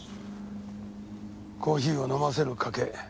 コーヒーを飲ませる賭け。